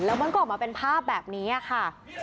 แล้วมันก็ออกมาเป็นภาพแบบนี้ค่ะ